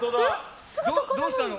どうしたの？